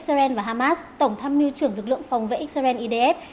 x bảy và hamas tổng tham mưu trưởng lực lượng phòng vệ x bảy edf